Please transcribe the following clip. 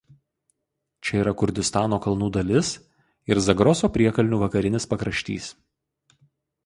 Čia yra Kurdistano kalnų dalis ir Zagroso priekalnių vakarinis pakraštys.